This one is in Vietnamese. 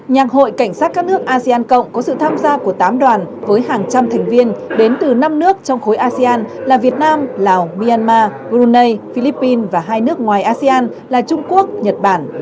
nhạc hội cảnh sát các nước asean cộng có sự tham gia của tám đoàn với hàng trăm thành viên đến từ năm nước trong khối asean là việt nam lào myanmar brunei philippines và hai nước ngoài asean là trung quốc nhật bản